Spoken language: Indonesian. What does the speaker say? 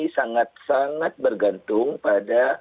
sangat sangat bergantung pada